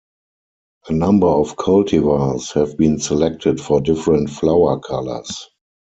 A number of cultivars have been selected for different flower colours.